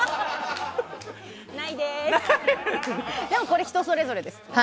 これは人それぞれです。